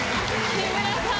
木村さん。